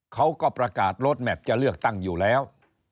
เขาก็ประกาศลดแมพจะเลือกตั้งอยู่แล้ว